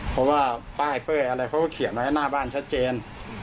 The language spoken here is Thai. เพราะว่าป้ายเป้ยอะไรเขาก็เขียนไว้หน้าบ้านชัดเจน